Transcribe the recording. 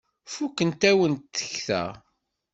Fukent-awent tekta.